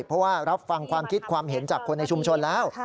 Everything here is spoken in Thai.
เพราะว่ารับฟังความคิดความเห็นจากคนในชุมชนแล้ว